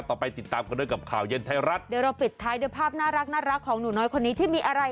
โอ้ยคุณก็เก่งเหมือนกันนะ